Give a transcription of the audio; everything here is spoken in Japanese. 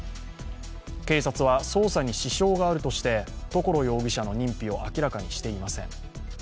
警察は、捜査に支障があるとして所容疑者の認否を明らかにしていません。